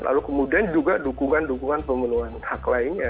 lalu kemudian juga dukungan dukungan pemenuhan hak lainnya